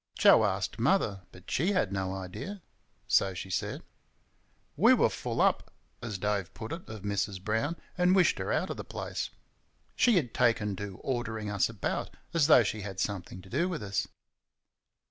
Joe asked Mother, but she had no idea so she said. We were full up, as Dave put it, of Mrs. Brown, and wished her out of the place. She had taken to ordering us about, as though she had something to do with us.